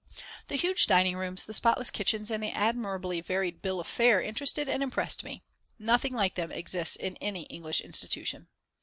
The huge dining rooms, the spotless kitchens and the admirably varied bill of fare interested and impressed me. Nothing like them exists in any English institution.